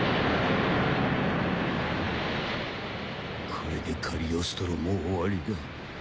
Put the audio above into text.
これでカリオストロも終わりだ。